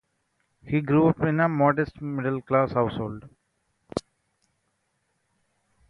He grew up in a modest, middle-class household.